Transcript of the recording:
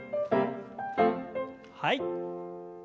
はい。